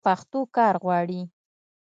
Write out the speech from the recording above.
پښتو کار غواړي.